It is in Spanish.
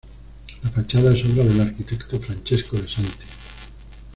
La fachada es obra del arquitecto Francesco De Sanctis.